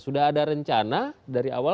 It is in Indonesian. sudah ada rencana dari awal